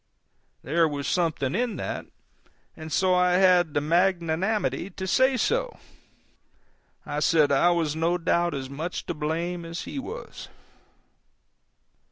There was something in that, and so I had the magnanimity to say so. I said I was no doubt as much to blame as he was.